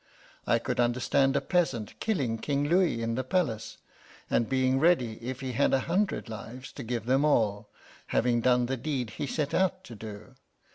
I could understand a peasant, killing King Louis in the palace, and being ready, if he had a hundred lives, to give them all, having done the deed he set out to do.